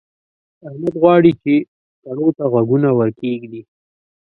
احمد غواړي چې کڼو ته غوږونه ورکېږدي.